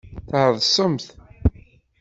Tɛeḍsemt.